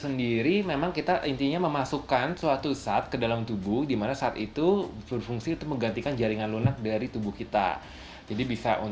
namun memiliki dua fungsi yang berbeda